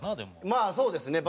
まあそうですね。